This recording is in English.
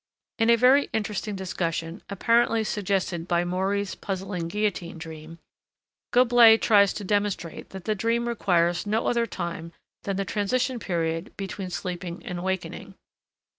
In a very interesting discussion, apparently suggested by Maury's puzzling guillotine dream, Goblet tries to demonstrate that the dream requires no other time than the transition period between sleeping and awakening.